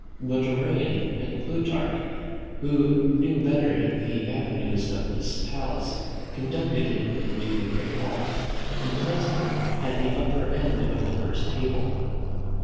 But Arrian and Plutarch, who knew better the avenues of this palace, conducted him into the great hall, and placed him at the upper end of the first table.